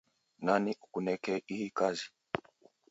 Nani ukunekee ihi kazi?